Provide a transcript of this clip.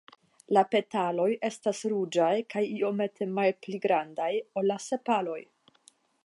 La petaloj estas ruĝaj kaj iomete malpli grandaj ol la sepaloj.